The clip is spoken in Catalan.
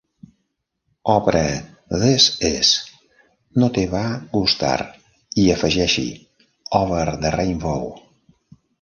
Obre This is: no te va gustar i afegeix-hi Over the rainbow.